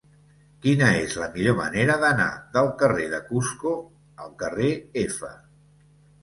Quina és la millor manera d'anar del carrer de Cusco al carrer F?